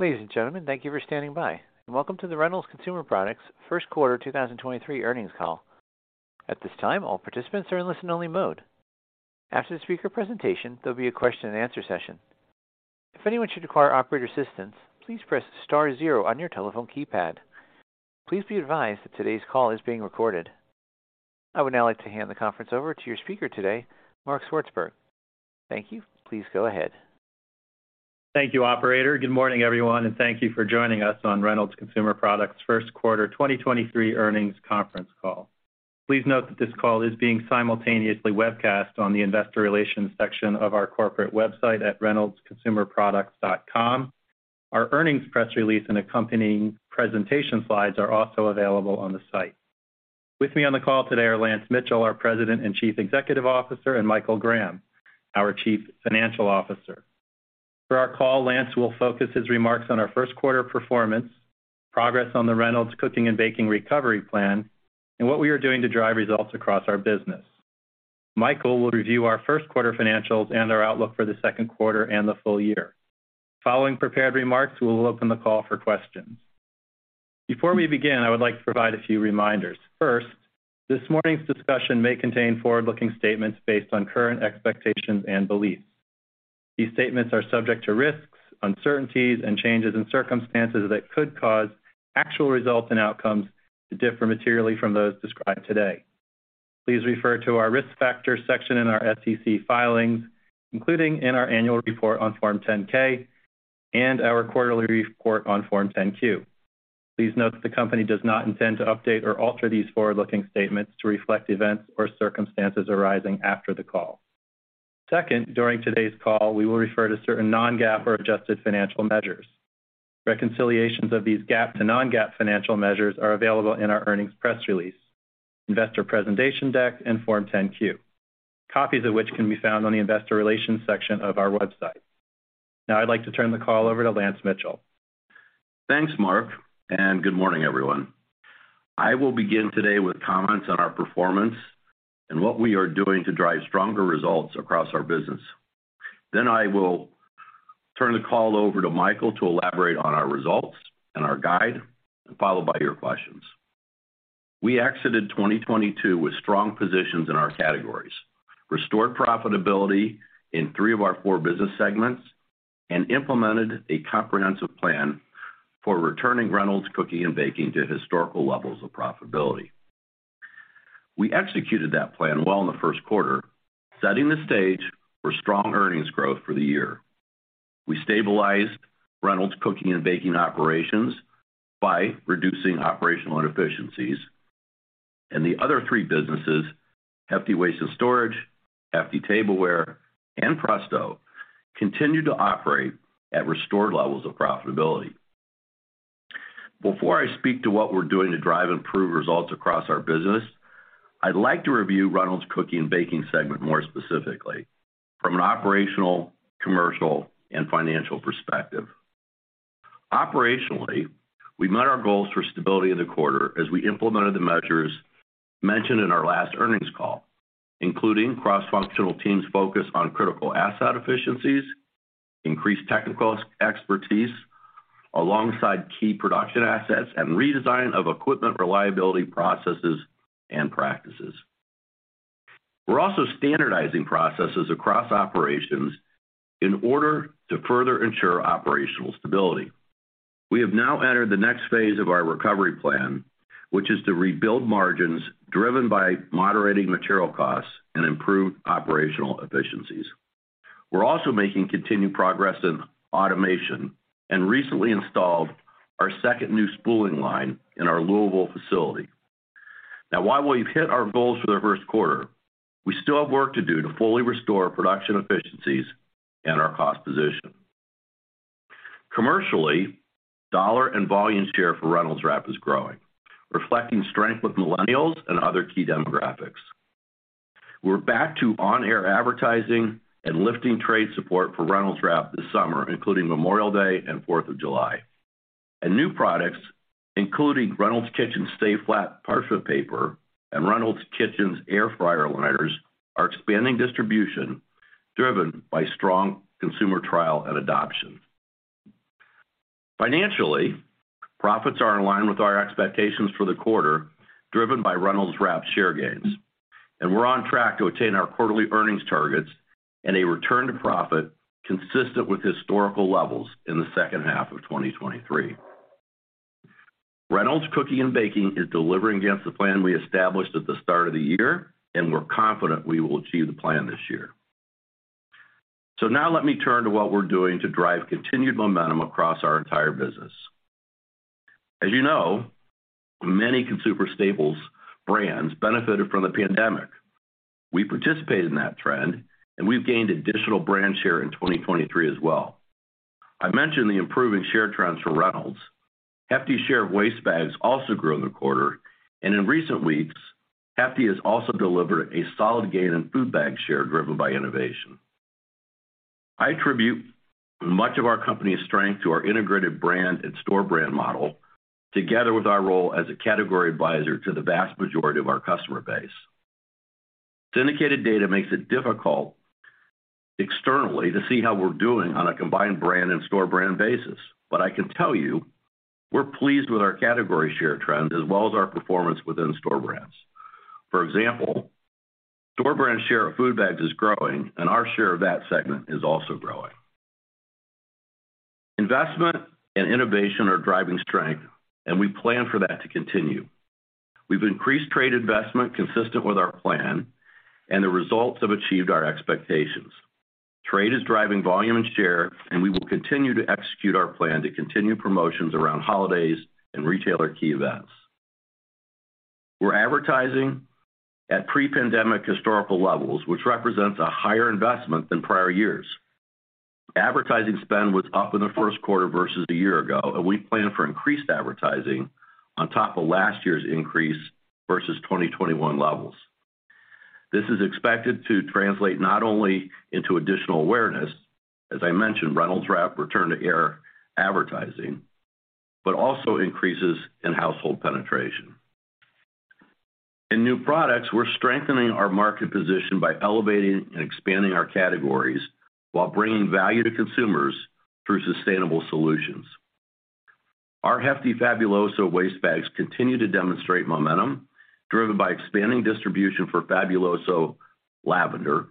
Ladies and gentlemen, thank you for standing by, and welcome to the Reynolds Consumer Products First Quarter 2023 Earnings Call. At this time, all participants are in listen only mode. After the speaker presentation, there'll be a question and answer session. If anyone should require operator assistance, please press star zero on your telephone keypad. Please be advised that today's call is being recorded. I would now like to hand the conference over to your speaker today, Mark Swartzberg. Thank you. Please go ahead. Thank you, Operator. Good morning, everyone, and thank you for joining us on Reynolds Consumer Products First Quarter 2023 Earnings conference call. Please note that this call is being simultaneously webcast on the Investor Relations section of our corporate website at reynoldsconsumerproducts.com. Our earnings press release and accompanying presentation slides are also available on the site. With me on the call today are Lance Mitchell, our President and Chief Executive Officer, and Michael Graham, our Chief Financial Officer. For our call, Lance will focus his remarks on our first quarter performance, progress on the Reynolds Cooking & Baking recovery plan, and what we are doing to drive results across our business. Michael will review our first quarter financials and our outlook for the second quarter and the full year. Following prepared remarks, we will open the call for questions. Before we begin, I would like to provide a few reminders. First, this morning's discussion may contain forward-looking statements based on current expectations and beliefs. These statements are subject to risks, uncertainties, and changes in circumstances that could cause actual results and outcomes to differ materially from those described today. Please refer to our risk factors section in our SEC filings, including in our annual report on form 10-K and our quarterly report on form 10-Q. Please note that the company does not intend to update or alter these forward-looking statements to reflect events or circumstances arising after the call. Second, during today's call, we will refer to certain non-GAAP or adjusted financial measures. Reconciliations of these GAAP to non-GAAP financial measures are available in our earnings press release, investor presentation deck and form 10-Q, copies of which can be found on the investor relations section of our website. Now I'd like to turn the call over to Lance Mitchell. Thanks, Mark. Good morning, everyone. I will begin today with comments on our performance and what we are doing to drive stronger results across our business. I will turn the call over to Michael to elaborate on our results and our guide, followed by your questions. We exited 2022 with strong positions in our categories, restored profitability in three of our four business segments, and implemented a comprehensive plan for returning Reynolds Cooking & Baking to historical levels of profitability. We executed that plan well in the first quarter, setting the stage for strong earnings growth for the year. We stabilized Reynolds Cooking & Baking operations by reducing operational inefficiencies. The other three businesses, Hefty Waste & Storage, Hefty Tableware and Presto, continued to operate at restored levels of profitability. Before I speak to what we're doing to drive improved results across our business, I'd like to review Reynolds Cooking & Baking segment more specifically from an operational, commercial, and financial perspective. Operationally, we met our goals for stability in the quarter as we implemented the measures mentioned in our last earnings call, including cross-functional teams focused on critical asset efficiencies, increased technical expertise alongside key production assets, and redesign of equipment reliability processes and practices. We're also standardizing processes across operations in order to further ensure operational stability. We have now entered the next phase of our recovery plan, which is to rebuild margins driven by moderating material costs and improved operational efficiencies. We're also making continued progress in automation and recently installed our second new spooling line in our Louisville facility. Now, while we've hit our goals for the first quarter, we still have work to do to fully restore production efficiencies and our cost position. Commercially, dollar and volume share for Reynolds Wrap is growing, reflecting strength with millennials and other key demographics. We're back to on-air advertising and lifting trade support for Reynolds Wrap this summer, including Memorial Day and Fourth of July. New products, including Reynolds Kitchens Stay Flat Parchment Paper and Reynolds Kitchens Air Fryer Liners, are expanding distribution driven by strong consumer trial and adoption. Financially, profits are in line with our expectations for the quarter, driven by Reynolds Wrap share gains, we're on track to attain our quarterly earnings targets and a return to profit consistent with historical levels in the second half of 2023. Reynolds Cooking & Baking is delivering against the plan we established at the start of the year. We're confident we will achieve the plan this year. Now let me turn to what we're doing to drive continued momentum across our entire business. As you know, many consumer staples brands benefited from the pandemic. We participated in that trend, and we've gained additional brand share in 2023 as well. I mentioned the improving share trends for Reynolds. Hefty share of waste bags also grew in the quarter, and in recent weeks, Hefty has also delivered a solid gain in food bag share driven by innovation. I attribute much of our company's strength to our integrated brand and store brand model, together with our role as a category advisor to the vast majority of our customer base. Syndicated data makes it difficult externally to see how we're doing on a combined brand and store brand basis. I can tell you we're pleased with our category share trends as well as our performance within store brands. For example, store brand share of food bags is growing, and our share of that segment is also growing. Investment and innovation are driving strength, and we plan for that to continue. We've increased trade investment consistent with our plan, and the results have achieved our expectations. Trade is driving volume and share, and we will continue to execute our plan to continue promotions around holidays and retailer key events. We're advertising at pre-pandemic historical levels, which represents a higher investment than prior years. Advertising spend was up in the first quarter versus a year ago. We plan for increased advertising on top of last year's increase versus 2021 levels. This is expected to translate not only into additional awareness, as I mentioned, Reynolds Wrap returned to air advertising, but also increases in household penetration. In new products, we're strengthening our market position by elevating and expanding our categories while bringing value to consumers through sustainable solutions. Our Hefty Fabuloso waste bags continue to demonstrate momentum driven by expanding distribution for Fabuloso Lavender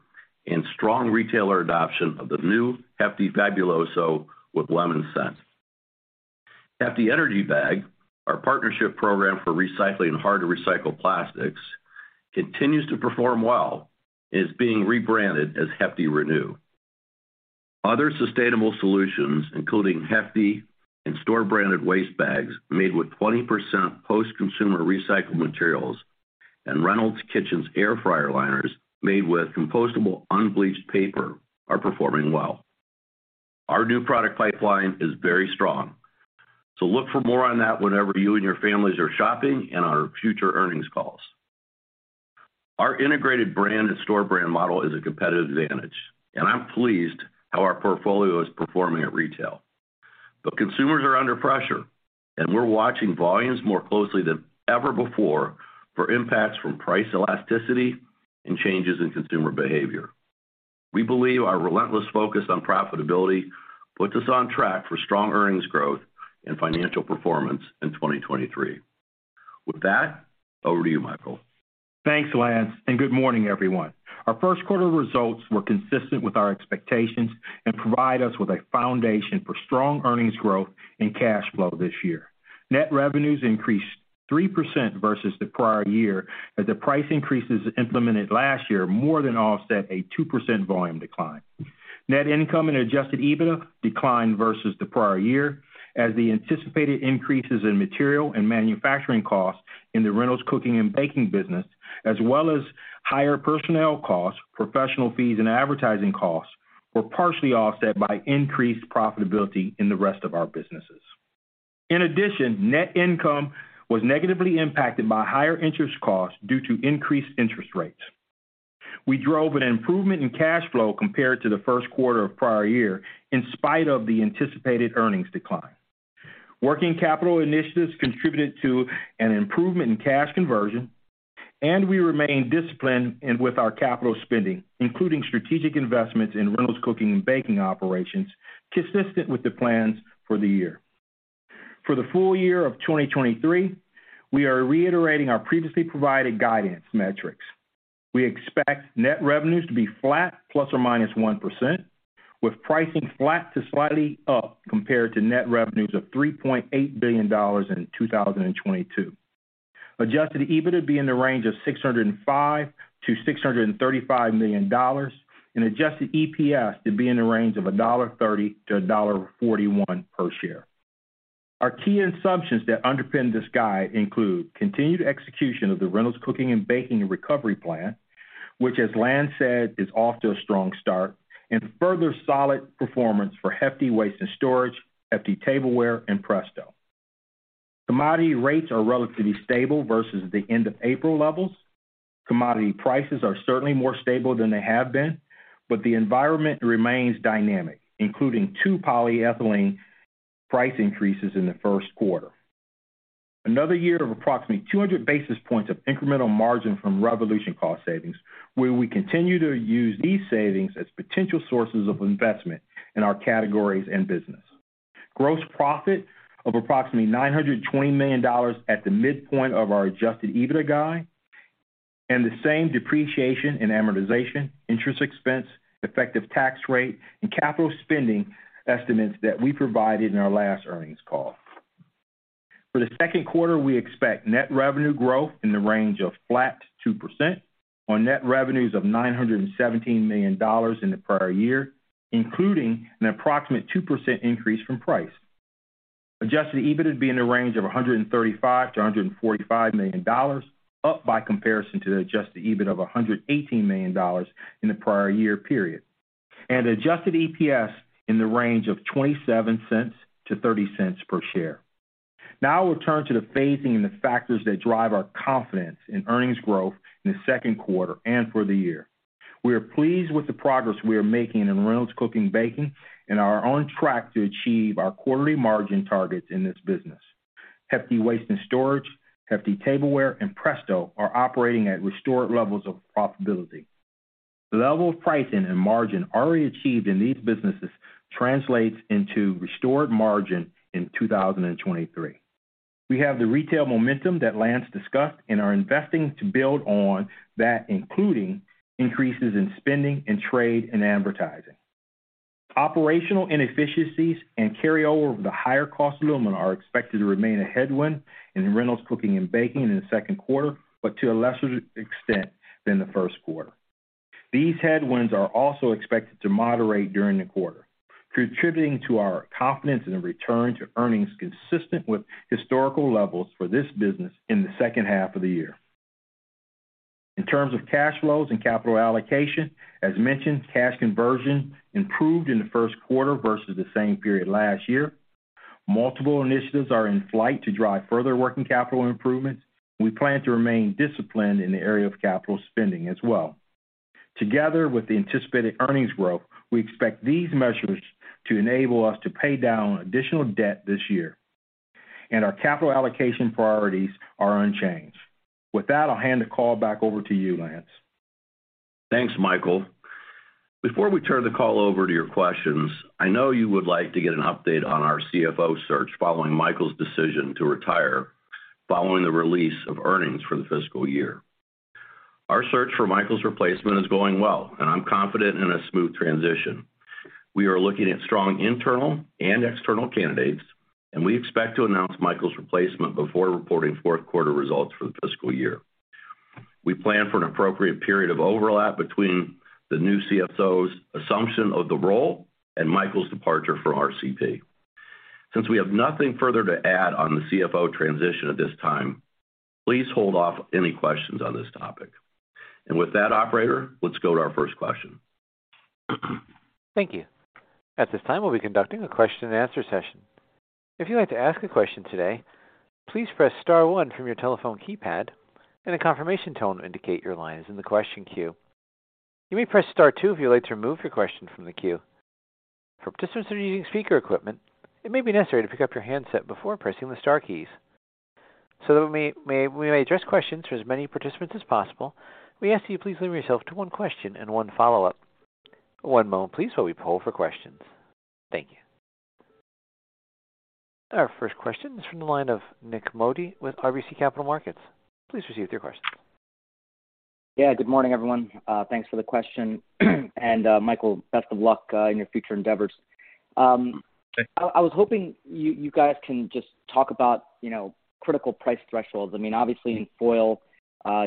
and strong retailer adoption of the new Hefty Fabuloso with lemon scent. Hefty Energy Bag, our partnership program for recycling hard-to-recycle plastics, continues to perform well and is being rebranded as Hefty ReNew. Other sustainable solutions, including Hefty and store-branded waste bags made with 20% post-consumer recycled materials and Reynolds Kitchens Air Fryer Liners made with compostable unbleached paper, are performing well. Our new product pipeline is very strong, so look for more on that whenever you and your families are shopping and on our future earnings calls. Consumers are under pressure, and we're watching volumes more closely than ever before for impacts from price elasticity and changes in consumer behavior. We believe our relentless focus on profitability puts us on track for strong earnings growth and financial performance in 2023. With that, over to you, Michael. Thanks, Lance, and good morning, everyone. Our first quarter results were consistent with our expectations and provide us with a foundation for strong earnings growth and cash flow this year. Net revenues increased 3% versus the prior year as the price increases implemented last year more than offset a 2% volume decline. Net income and Adjusted EBITDA declined versus the prior year as the anticipated increases in material and manufacturing costs in the Reynolds Cooking & Baking business, as well as higher personnel costs, professional fees, and advertising costs were partially offset by increased profitability in the rest of our businesses. In addition, net income was negatively impacted by higher interest costs due to increased interest rates. We drove an improvement in cash flow compared to the first quarter of prior year in spite of the anticipated earnings decline. Working capital initiatives contributed to an improvement in cash conversion. We remain disciplined with our capital spending, including strategic investments in Reynolds Cooking & Baking operations consistent with the plans for the year. For the full year of 2023, we are reiterating our previously provided guidance metrics. We expect net revenues to be flat ±1%, with pricing flat to slightly up compared to net revenues of $3.8 billion in 2022. Adjusted EBITDA to be in the range of $605 million-$635 million and adjusted EPS to be in the range of $1.30-$1.41 per share. Our key assumptions that underpin this guide include continued execution of the Reynolds Cooking & Baking recovery plan, which, as Lance said, is off to a strong start, and further solid performance for Hefty Waste & Storage, Hefty Tableware, and Presto. Commodity rates are relatively stable versus the end of April levels. Commodity prices are certainly more stable than they have been, but the environment remains dynamic, including two polyethylene price increases in the first quarter. Another year of approximately 200 basis points of incremental margin from Reyvolution cost savings, where we continue to use these savings as potential sources of investment in our categories and business. Gross profit of approximately $920 million at the midpoint of our Adjusted EBITDA guide and the same depreciation in amortization, interest expense, effective tax rate, and capital spending estimates that we provided in our last earnings call. For the second quarter, we expect net revenue growth in the range of flat to 2% on net revenues of $917 million in the prior year, including an approximate 2% increase from price. Adjusted EBITDA to be in the range of $135 million-$145 million, up by comparison to the Adjusted EBITDA of $118 million in the prior year period. adjusted EPS in the range of $0.27-$0.30 per share. Now we'll turn to the phasing and the factors that drive our confidence in earnings growth in the second quarter and for the year. We are pleased with the progress we are making in Reynolds Cooking & Baking and are on track to achieve our quarterly margin targets in this business. Hefty Waste & Storage, Hefty Tableware, and Presto are operating at restored levels of profitability. The level of pricing and margin already achieved in these businesses translates into restored margin in 2023. We have the retail momentum that Lance discussed and are investing to build on that, including increases in spending in trade and advertising. Operational inefficiencies and carryover of the higher cost of aluminum are expected to remain a headwind in Reynolds Cooking & Baking in the second quarter, but to a lesser extent than the first quarter. These headwinds are also expected to moderate during the quarter, contributing to our confidence in the return to earnings consistent with historical levels for this business in the second half of the year. In terms of cash flows and capital allocation, as mentioned, cash conversion improved in the first quarter versus the same period last year. Multiple initiatives are in flight to drive further working capital improvements. We plan to remain disciplined in the area of capital spending as well. Together with the anticipated earnings growth, we expect these measures to enable us to pay down additional debt this year, and our capital allocation priorities are unchanged. With that, I'll hand the call back over to you, Lance. Thanks, Michael. Before we turn the call over to your questions, I know you would like to get an update on our CFO search following Michael's decision to retire following the release of earnings for the fiscal year. Our search for Michael's replacement is going well, and I'm confident in a smooth transition. We are looking at strong internal and external candidates, and we expect to announce Michael's replacement before reporting fourth quarter results for the fiscal year. We plan for an appropriate period of overlap between the new CFO's assumption of the role and Michael's departure from RCP. Since we have nothing further to add on the CFO transition at this time, please hold off any questions on this topic. With that, operator, let's go to our first question. Thank you. At this time, we'll be conducting a question and answer session. If you'd like to ask a question today, please press star one from your telephone keypad, and a confirmation tone will indicate your line is in the question queue. You may press star two if you would like to remove your question from the queue. For participants that are using speaker equipment, it may be necessary to pick up your handset before pressing the star keys. That we may address questions for as many participants as possible, we ask that you please limit yourself to one question and one follow-up. One moment, please, while we poll for questions. Thank you. Our first question is from the line of Nik Modi with RBC Capital Markets. Please proceed with your question. Yeah, good morning, everyone. Thanks for the question. Michael, best of luck in your future endeavors. Thank you. I was hoping you guys can just talk about, you know, critical price thresholds. I mean, obviously in foil,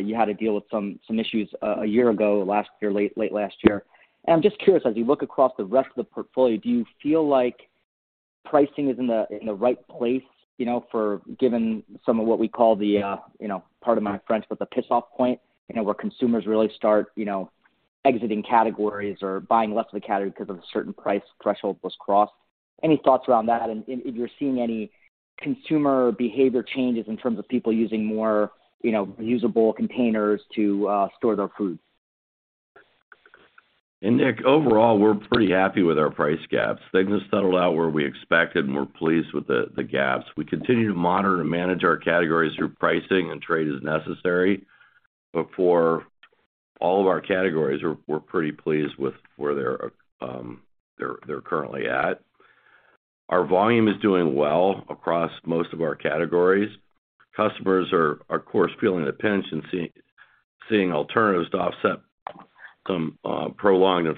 you had to deal with some issues a year ago, last year, late last year. I'm just curious, as you look across the rest of the portfolio, do you feel like pricing is in the, in the right place, you know, for given some of what we call the, you know, pardon my French, but the piss off point, you know, where consumers really start, you know, exiting categories or buying less of a category because of a certain price threshold was crossed? Any thoughts around that? If you're seeing any consumer behavior changes in terms of people using more, you know, reusable containers to store their food. Nik, overall, we're pretty happy with our price gaps. Things have settled out where we expected, and we're pleased with the gaps. We continue to monitor and manage our categories through pricing and trade as necessary. For all of our categories, we're pretty pleased with where they're currently at. Our volume is doing well across most of our categories. Customers are, of course, feeling the pinch and seeing alternatives to offset some prolonged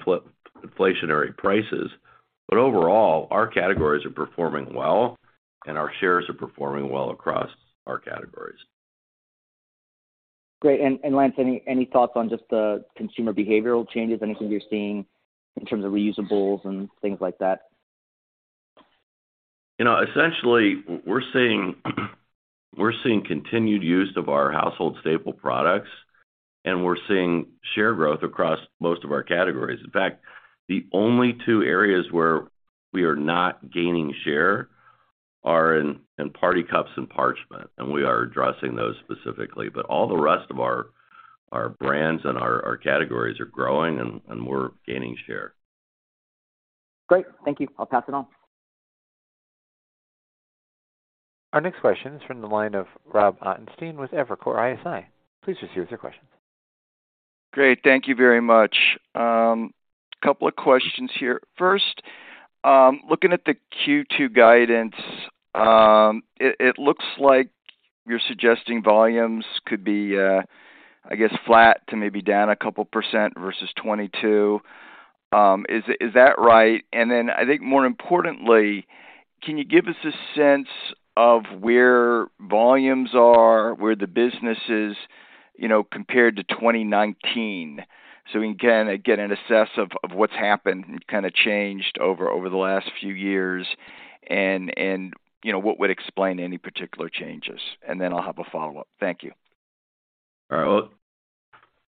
inflationary prices. Overall, our categories are performing well, and our shares are performing well across our categories. Great. Lance, any thoughts on just the consumer behavioral changes, anything you're seeing in terms of reusables and things like that? You know, essentially we're seeing continued use of our household staple products. We're seeing share growth across most of our categories. In fact, the only two areas where we are not gaining share are in party cups and parchment. We are addressing those specifically. All the rest of our brands and our categories are growing and we're gaining share. Great. Thank you. I'll pass it on. Our next question is from the line of Rob Ottenstein with Evercore ISI. Please proceed with your question. Great. Thank you very much. Couple of questions here. First, looking at the Q2 guidance, it looks like you're suggesting volumes could be, I guess flat to maybe down 2% versus 2022. Is that right? I think more importantly, can you give us a sense of where volumes are, where the business is, you know, compared to 2019, so we can again get an assess of what's happened and kinda changed over the last few years and, you know, what would explain any particular changes? I'll have a follow-up. Thank you. All right. Well,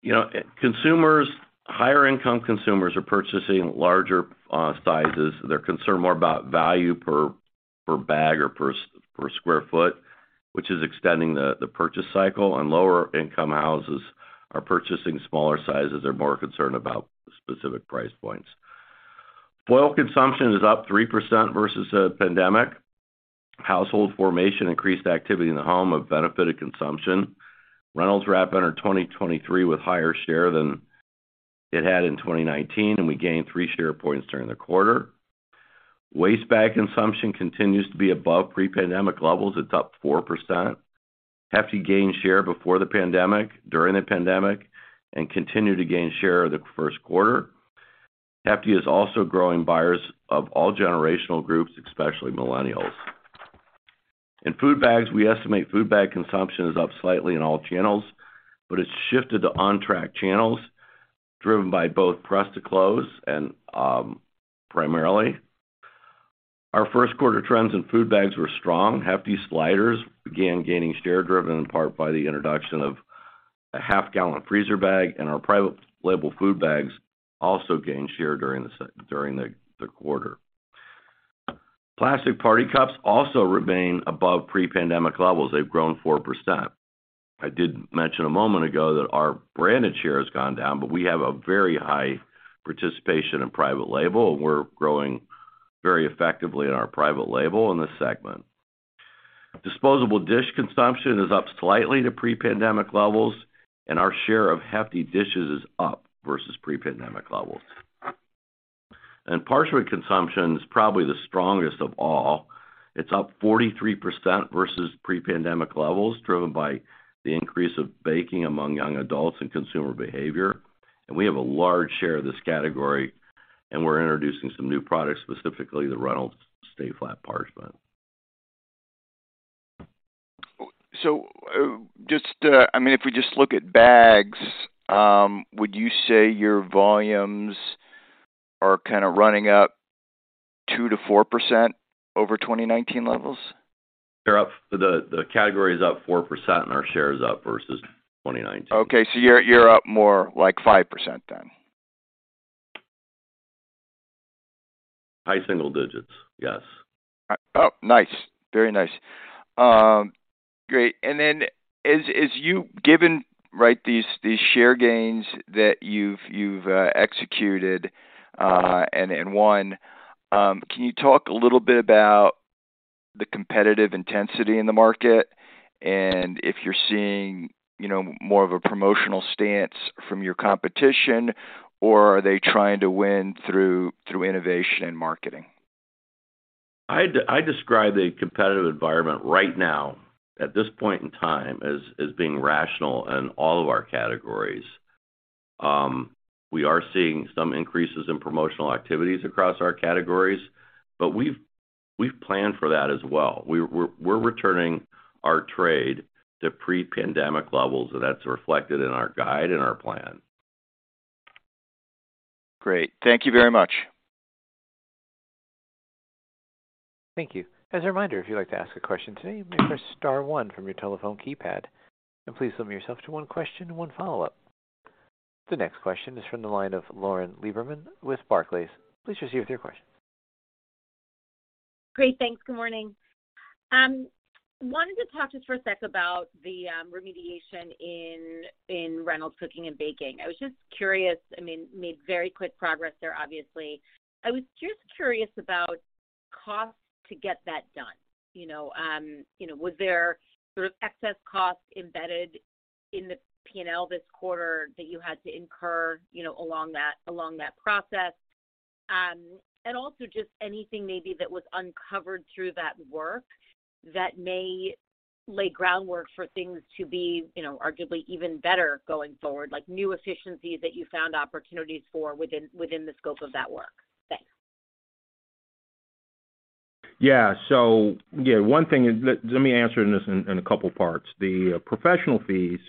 you know, consumers, higher income consumers are purchasing larger sizes. They're concerned more about value per bag or per square foot, which is extending the purchase cycle. Lower income houses are purchasing smaller sizes. They're more concerned about specific price points. Foil consumption is up 3% versus the pandemic. Household formation increased activity in the home have benefited consumption. Reynolds Wrap under 2023 with higher share than it had in 2019. We gained 3 share points during the quarter. Waste bag consumption continues to be above pre-pandemic levels. It's up 4%. Hefty gained share before the pandemic, during the pandemic, continued to gain share the first quarter. Hefty is also growing buyers of all generational groups, especially millennials. In food bags, we estimate food bag consumption is up slightly in all channels, but it's shifted to on-track channels, driven by both Press to Close and primarily. Our first quarter trends in food bags were strong. Hefty Sliders began gaining share, driven in part by the introduction of a half gallon freezer bag, and our private label food bags also gained share during the quarter. Plastic party cups also remain above pre-pandemic levels. They've grown 4%. I did mention a moment ago that our branded share has gone down, but we have a very high participation in private label, and we're growing very effectively in our private label in this segment. Disposable dish consumption is up slightly to pre-pandemic levels, and our share of Hefty dishes is up versus pre-pandemic levels. Parchment consumption is probably the strongest of all. It's up 43% versus pre-pandemic levels, driven by the increase of baking among young adults and consumer behavior. We have a large share of this category, and we're introducing some new products, specifically the Reynolds Stay Flat Parchment. I mean, if we just look at bags, would you say your volumes are kind of running up 2%-4% over 2019 levels? They're up. The category is up 4%. Our share is up versus 2019. Okay. You're up more like 5% then. High single digits, yes. Oh, nice. Very nice. Great. As Given, right, these share gains that you've executed, and won, can you talk a little bit about the competitive intensity in the market and if you're seeing, you know, more of a promotional stance from your competition, or are they trying to win through innovation and marketing? I describe the competitive environment right now, at this point in time, as being rational in all of our categories. We are seeing some increases in promotional activities across our categories, but we've planned for that as well. We're returning our trade to pre-pandemic levels, and that's reflected in our guide and our plan. Great. Thank you very much. Thank you. As a reminder, if you'd like to ask a question today, you may press star one from your telephone keypad, please limit yourself to one question and one follow-up. The next question is from the line of Lauren Lieberman with Barclays. Please proceed with your question. Great, thanks. Good morning. Wanted to talk just for a sec about the remediation in Reynolds Cooking & Baking. I was just curious. I mean, made very quick progress there, obviously. I was just curious about costs to get that done. You know, was there sort of excess costs embedded in the P&L this quarter that you had to incur, you know, along that process? Also just anything maybe that was uncovered through that work that may lay groundwork for things to be, you know, arguably even better going forward, like new efficiencies that you found opportunities for within the scope of that work. Thanks. Yeah. Yeah, one thing. Let me answer this in a couple parts. The professional fees,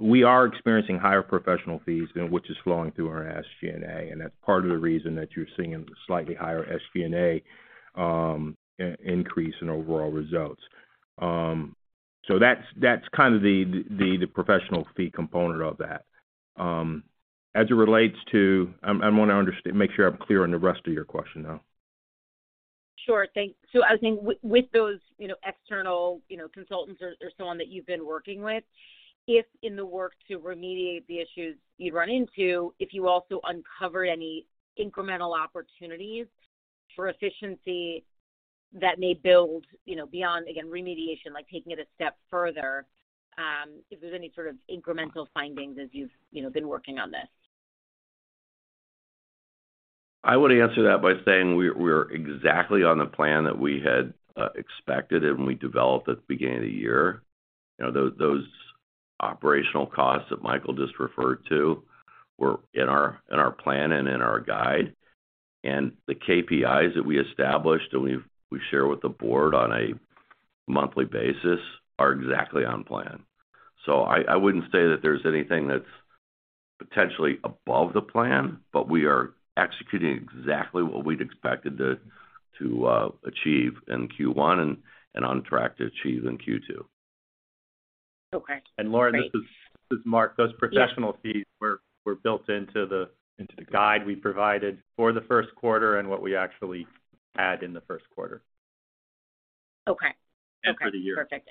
we are experiencing higher professional fees, you know, which is flowing through our SG&A. That's part of the reason that you're seeing a slightly higher SG&A increase in overall results. That's kind of the professional fee component of that. As it relates to... I wanna make sure I'm clear on the rest of your question, though. Sure. I was thinking with those, you know, external, you know, consultants or someone that you've been working with, if in the work to remediate the issues you'd run into, if you also uncovered any incremental opportunities for efficiency that may build, you know, beyond, again, remediation, like taking it a step further, if there's any sort of incremental findings as you've, you know, been working on this? I would answer that by saying we're exactly on the plan that we had expected and we developed at the beginning of the year. You know, those operational costs that Michael just referred to were in our plan and in our guide. The KPIs that we established and we share with the board on a monthly basis are exactly on plan. I wouldn't say that there's anything that's potentially above the plan, but we are executing exactly what we'd expected to achieve in Q1 and on track to achieve in Q2. Okay, great. Lauren, this is Mark. Those professional fees were built into the guide we provided for the first quarter and what we actually had in the first quarter. Okay. For the year. Perfect.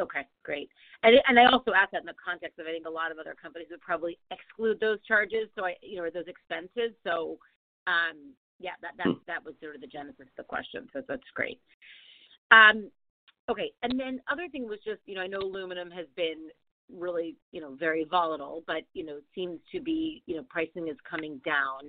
Okay, great. I also ask that in the context of, I think a lot of other companies would probably exclude those charges. I, you know, those expenses. Yeah. That was sort of the genesis of the question, so that's great. Okay. Other thing was just, you know, I know aluminum has been really, you know, very volatile, but, you know, seems to be, you know, pricing is coming down.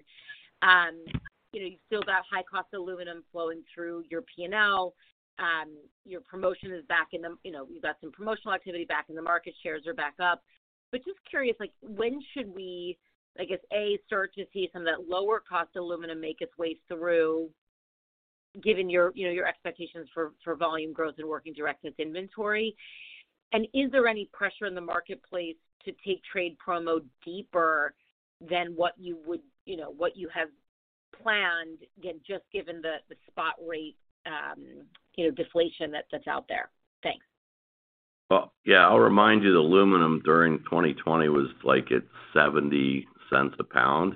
You know, you still got high cost aluminum flowing through your P&L. You know, you've got some promotional activity back in the market shares are back up. Just curious, like, when should we, I guess, A, start to see some of that lower cost aluminum make its way through, given your, you know, your expectations for volume growth and working direct with inventory? Is there any pressure in the marketplace to take trade promo deeper than what you would, you know, what you have planned, again, just given the spot rate, you know, deflation that's out there? Thanks. Well, yeah, I'll remind you, the aluminum during 2020 was like at $0.70 a pound.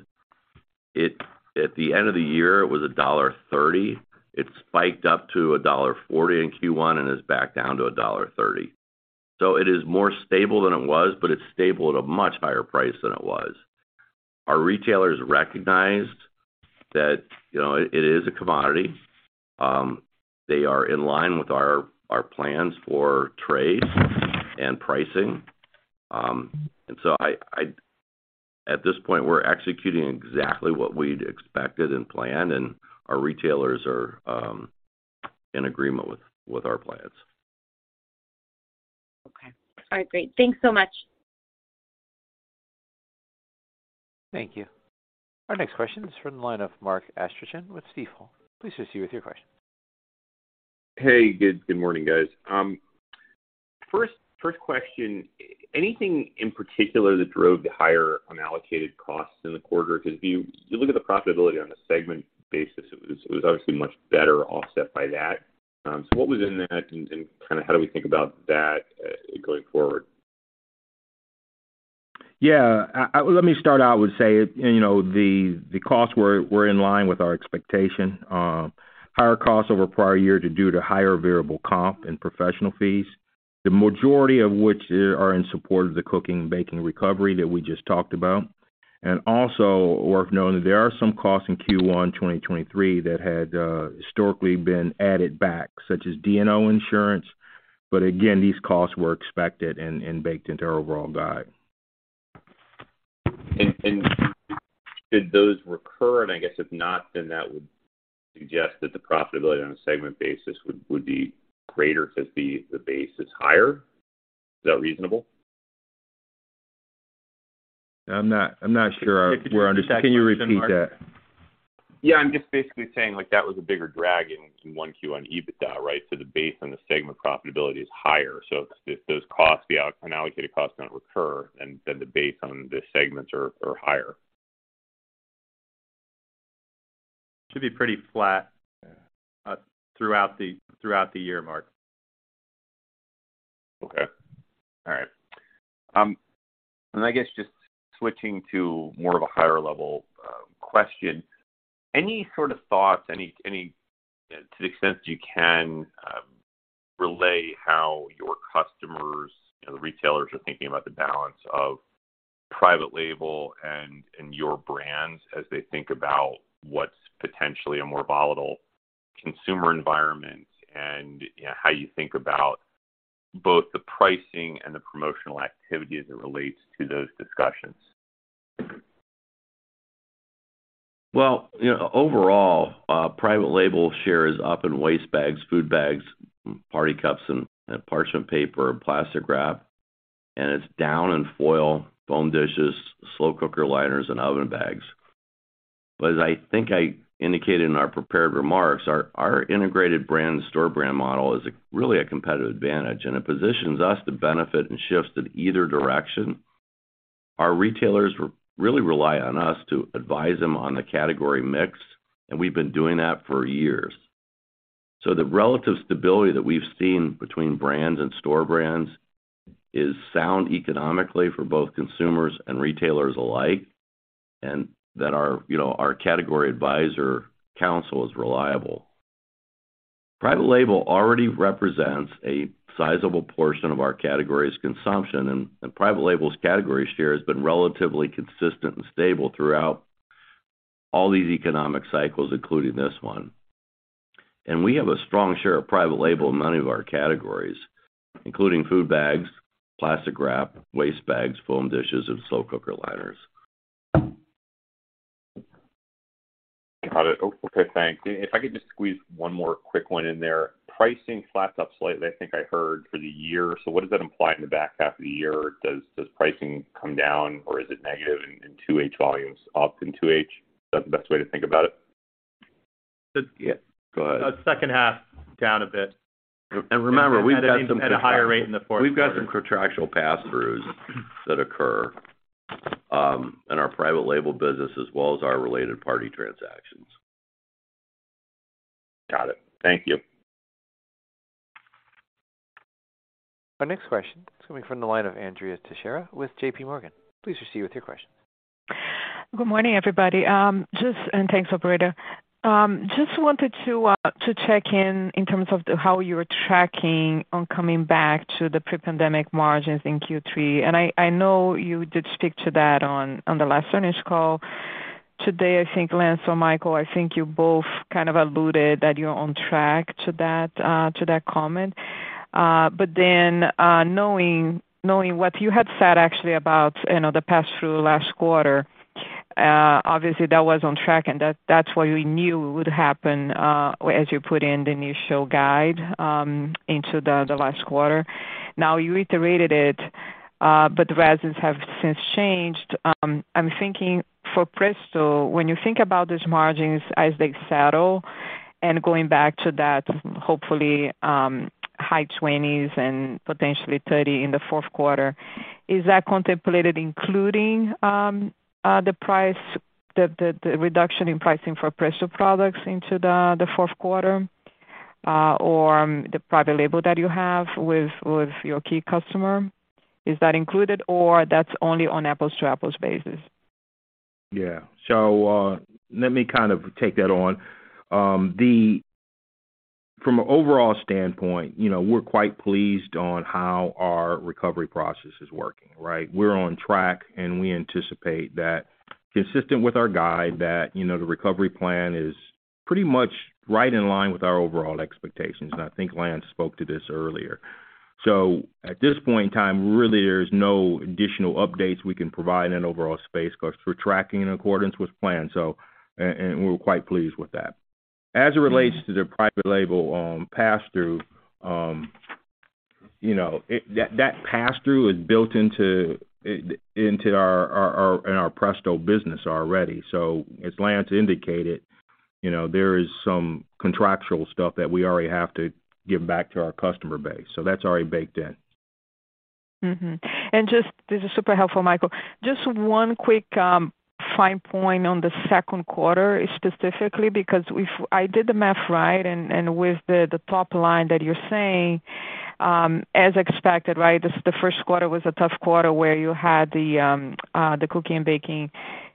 At the end of the year, it was $1.30. It spiked up to $1.40 in Q1 and is back down to $1.30. It is more stable than it was, but it's stable at a much higher price than it was. Our retailers recognized that, you know, it is a commodity. They are in line with our plans for trades and pricing. At this point, we're executing exactly what we'd expected and planned, and our retailers are in agreement with our plans. Okay. All right, great. Thanks so much. Thank you. Our next question is from the line of Mark Astrachan with Stifel. Please proceed with your question. Hey, good morning, guys. First question. Anything in particular that drove the higher unallocated costs in the quarter? 'Cause if you look at the profitability on a segment basis, it was obviously much better offset by that. What was in that and kinda how do we think about that going forward? Yeah, let me start out with saying, you know, the costs were in line with our expectation. Higher costs over prior year due to higher variable comp and professional fees, the majority of which are in support of the cooking and baking recovery that we just talked about. Also worth knowing that there are some costs in Q1 2023 that had historically been added back, such as D&O insurance. Again, these costs were expected and baked into our overall guide. Should those recur? I guess if not, then that would suggest that the profitability on a segment basis would be greater since the base is higher. Is that reasonable? I'm not sure we're under- Could you just- Can you repeat that? Yeah. I'm just basically saying, like, that was a bigger drag in Q1 on EBITDA, right? The base on the segment profitability is higher. If those costs, the unallocated costs don't recur, then the base on the segments are higher. Should be pretty flat. Yeah throughout the year, Mark. Okay. All right. I guess just switching to more of a higher level question. Any sort of thoughts, to the extent you can, relay how your customers, you know, the retailers are thinking about the balance of private label and your brands as they think about what's potentially a more volatile consumer environment and, you know, how you think about both the pricing and the promotional activity as it relates to those discussions. Well, you know, overall, private label share is up in waste bags, food bags, party cups, and parchment paper, and plastic wrap, and it's down in foil, foam dishes, slow cooker liners, and oven bags. As I think I indicated in our prepared remarks, our integrated brand store brand model is, really a competitive advantage, and it positions us to benefit in shifts in either direction. Our retailers really rely on us to advise them on the category mix, and we've been doing that for years. The relative stability that we've seen between brands and store brands is sound economically for both consumers and retailers alike, and that our, you know, our category advisor council is reliable. Private label already represents a sizable portion of our category's consumption, and private label's category share has been relatively consistent and stable throughout all these economic cycles, including this one. We have a strong share of private label in many of our categories, including food bags, plastic wrap, waste bags, foam dishes, and slow cooker liners. Got it. Okay, thanks. If I could just squeeze one more quick one in there. Pricing flats up slightly, I think I heard, for the year. What does that imply in the back half of the year? Does pricing come down, or is it negative in 2H volumes, up in 2H? Is that the best way to think about it? Yeah, go ahead. The second half down a bit. Remember, we've got. At a higher rate in the fourth quarter. We've got some contractual pass-throughs that occur, in our private label business as well as our related party transactions. Got it. Thank you. Our next question is coming from the line of Andrea Teixeira with JPMorgan. Please proceed with your question. Good morning, everybody, and thanks, operator. Just wanted to check in in terms of the, how you're tracking on coming back to the pre-pandemic margins in Q3. I know you did speak to that on the last earnings call. Today, I think Lance or Michael, I think you both kind of alluded that you're on track to that comment. Knowing what you had said actually about, you know, the pass-through last quarter, obviously that was on track and that's what we knew would happen, as you put in the initial guide into the last quarter. You reiterated it, but the residents have since changed. I'm thinking for Presto, when you think about these margins as they settle and going back to that, hopefully, high 20s% and potentially 30% in the fourth quarter, is that contemplated including the reduction in pricing for Presto Products into the fourth quarter, or the private label that you have with your key customer? Is that included or that's only on apples-to-apples basis? Let me kind of take that on. From an overall standpoint, you know, we're quite pleased on how our recovery process is working, right? We're on track, and we anticipate that consistent with our guide, that, you know, the recovery plan is pretty much right in line with our overall expectations. I think Lance spoke to this earlier. At this point in time, really, there's no additional updates we can provide in overall space 'cause we're tracking in accordance with plan. And we're quite pleased with that. As it relates to the private label on pass-through, you know, that pass-through is built into our Presto business already. As Lance indicated, you know, there is some contractual stuff that we already have to give back to our customer base. That's already baked in. This is super helpful, Michael. Just one quick, fine point on the second quarter specifically, because if I did the math right and, with the top line that you're saying, as expected, right? This is the first quarter was a tough quarter where you had the Cooking & Baking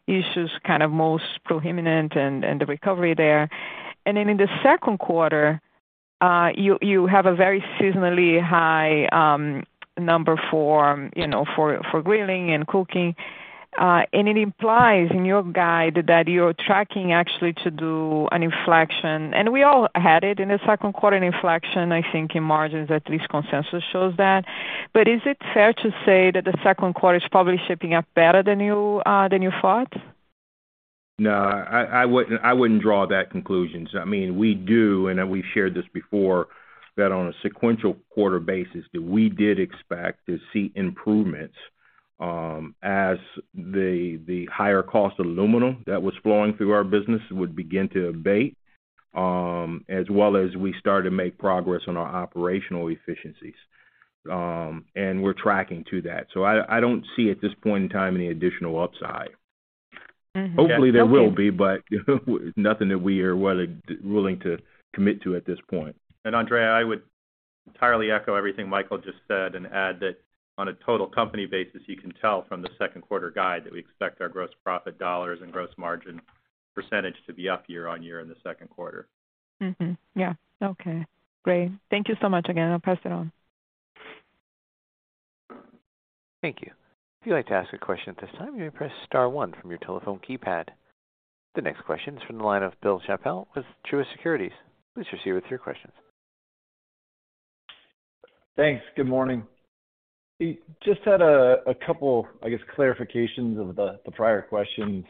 issues kind of most prominent and, the recovery there. Then in the second quarter, you have a very seasonally high number for, you know, for grilling and cooking. It implies in your guide that you're tracking actually to do an inflection. We all had it in the second quarter, an inflection, I think in margins at least consensus shows that. Is it fair to say that the second quarter is probably shaping up better than you thought? No, I wouldn't, I wouldn't draw that conclusion. I mean, we do, and we've shared this before, that on a sequential quarter basis, that we did expect to see improvements, as the higher cost aluminum that was flowing through our business would begin to abate, as well as we start to make progress on our operational efficiencies. And we're tracking to that. I don't see at this point in time any additional upside. Okay. Hopefully there will be, but nothing that we are willing to commit to at this point. Andrea, I would entirely echo everything Michael just said and add that on a total company basis, you can tell from the second quarter guide that we expect our gross profit dollars and gross margin % to be up year-on-year in the second quarter. Mm-hmm. Yeah. Okay. Great. Thank you so much again. I'll pass it on. Thank you. If you'd like to ask a question at this time, you may press star one from your telephone keypad. The next question is from the line of Bill Chappell with Truist Securities. Please proceed with your questions. Thanks. Good morning. Just had a couple, I guess, clarifications of the prior questions.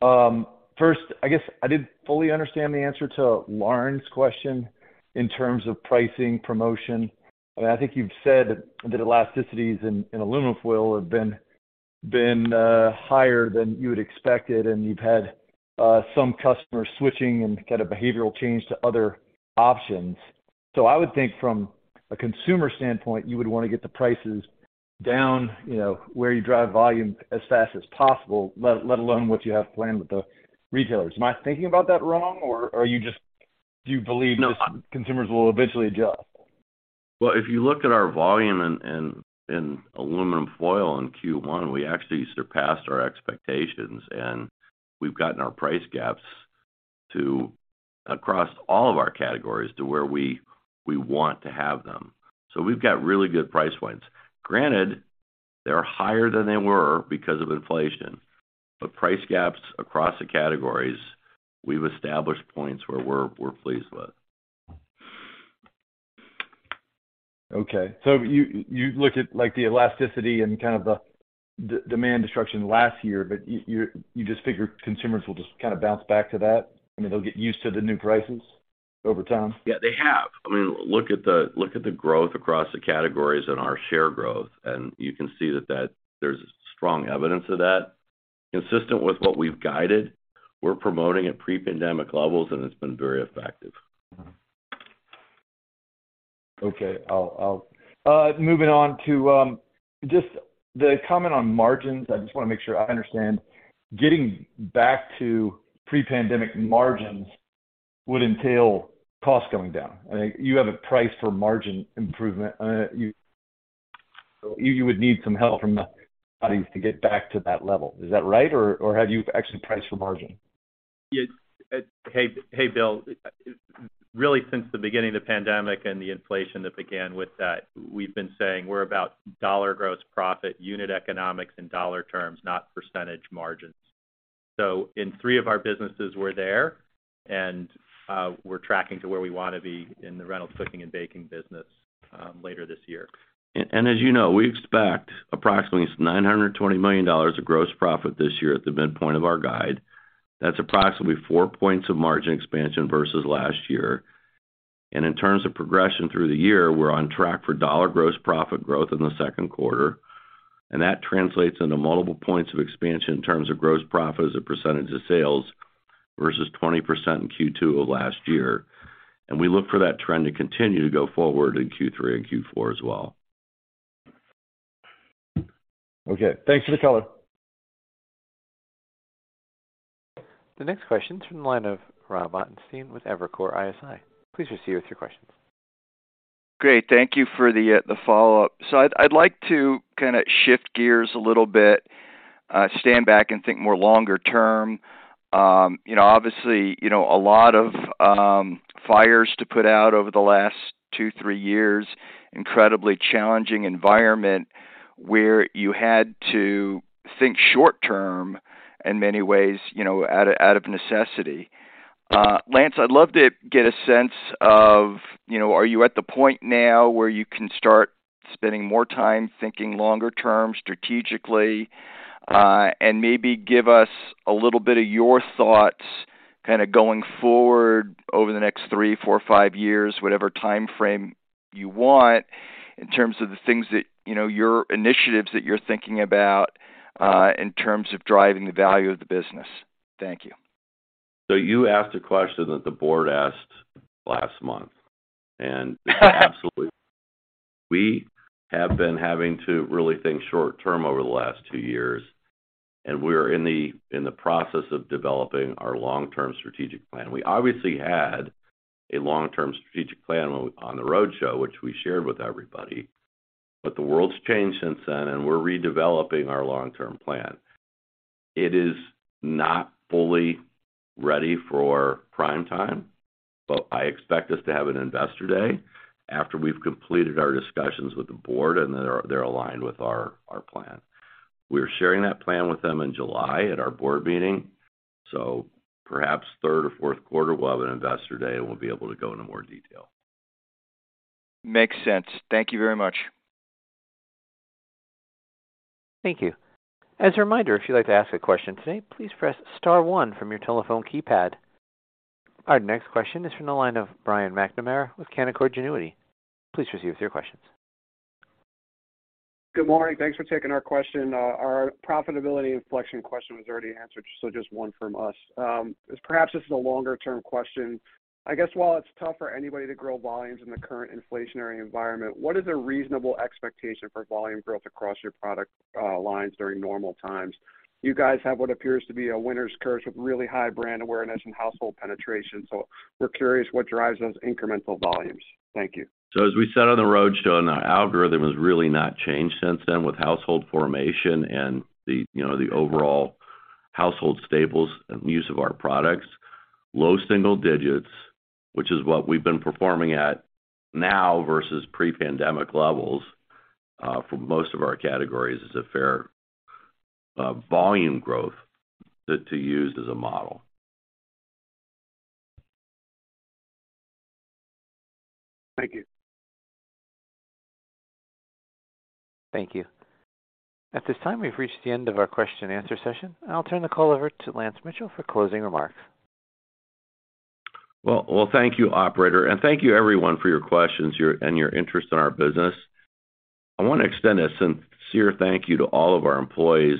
First, I guess I didn't fully understand the answer to Lauren's question in terms of pricing promotion. I mean, I think you've said that elasticities in aluminum foil have been higher than you had expected, and you've had some customers switching and kind of behavioral change to other options. I would think from a consumer standpoint, you would wanna get the prices down, you know, where you drive volume as fast as possible, let alone what you have planned with the retailers. Am I thinking about that wrong, or do you believe consumers will eventually adjust? Well, if you look at our volume in aluminum foil in Q1, we actually surpassed our expectations. We've gotten our price gaps to across all of our categories to where we want to have them. We've got really good price points. Granted, they're higher than they were because of inflation. Price gaps across the categories, we've established points where we're pleased with. Okay. You look at like the elasticity and kind of the demand destruction last year, you just figure consumers will just kind of bounce back to that? I mean, they'll get used to the new prices over time? Yeah, they have. I mean, look at the growth across the categories and our share growth, and you can see that there's strong evidence of that. Consistent with what we've guided, we're promoting at pre-pandemic levels. It's been very effective. Okay. I'll moving on to just the comment on margins. I just wanna make sure I understand. Getting back to pre-pandemic margins would entail costs going down. I think you have a price for margin improvement. You would need some help from the to get back to that level. Is that right? Have you actually priced for margin? Yes. Hey, Bill. Really, since the beginning of the pandemic and the inflation that began with that, we've been saying we're about dollar gross profit unit economics in dollar terms, not percentage margins. In three of our businesses, we're there, and we're tracking to where we wanna be in the Reynolds Cooking & Baking business later this year. As you know, we expect approximately $920 million of gross profit this year at the midpoint of our guide. That's approximately four points of margin expansion versus last year. In terms of progression through the year, we're on track for dollar gross profit growth in the second quarter, and that translates into multiple points of expansion in terms of gross profit as a percentage of sales versus 20% in Q2 of last year. We look for that trend to continue to go forward in Q3 and Q4 as well. Okay. Thanks for the color. The next question is from the line of Robert Ottenstein with Evercore ISI. Please proceed with your questions. Great. Thank you for the follow-up. I'd like to kinda shift gears a little bit, stand back and think more longer term. You know, obviously, you know, a lot of fires to put out over the last two, three years. Incredibly challenging environment where you had to think short term in many ways, you know, out of necessity. Lance, I'd love to get a sense of, you know, are you at the point now where you can start spending more time thinking longer term strategically? Maybe give us a little bit of your thoughts kinda going forward over the next three, four, 5 years, whatever timeframe you want, in terms of the things that, you know, your initiatives that you're thinking about, in terms of driving the value of the business. Thank you. You asked a question that the board asked last month. Absolutely. We have been having to really think short term over the last two years. We're in the process of developing our long-term strategic plan. We obviously had a long-term strategic plan on the roadshow, which we shared with everybody. The world's changed since then. We're redeveloping our long-term plan. It is not fully ready for prime time. I expect us to have an investor day after we've completed our discussions with the board and they're aligned with our plan. We're sharing that plan with them in July at our board meeting. Perhaps third or fourth quarter, we'll have an investor day. We'll be able to go into more detail. Makes sense. Thank you very much. Thank you. As a reminder, if you'd like to ask a question today, please press star one from your telephone keypad. Our next question is from the line of Brian McNamara with Canaccord Genuity. Please proceed with your questions. Good morning. Thanks for taking our question. Our profitability inflection question was already answered, just one from us. Perhaps this is a longer term question. I guess while it's tough for anybody to grow volumes in the current inflationary environment, what is a reasonable expectation for volume growth across your product lines during normal times? You guys have what appears to be a winner's curse with really high brand awareness and household penetration, we're curious what drives those incremental volumes. Thank you. As we said on the roadshow, and our algorithm has really not changed since then with household formation and the, you know, the overall household staples and use of our products, low single digits, which is what we've been performing at now versus pre-pandemic levels, for most of our categories is a fair volume growth to use as a model. Thank you. Thank you. At this time, we've reached the end of our question and answer session. I'll turn the call over to Lance Mitchell for closing remarks. Well, thank you, operator, and thank you everyone for your questions, your and your interest in our business. I wanna extend a sincere thank you to all of our employees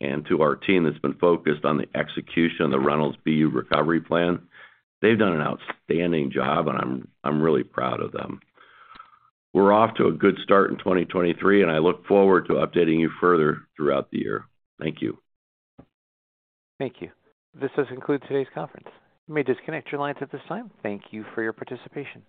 and to our team that's been focused on the execution of the Reynolds BU recovery plan. They've done an outstanding job, and I'm really proud of them. We're off to a good start in 2023, and I look forward to updating you further throughout the year. Thank you. Thank you. This does conclude today's conference. You may disconnect your lines at this time. Thank you for your participation.